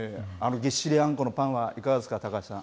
ぎっしりあんこのパンは、いかがですか、高橋さん。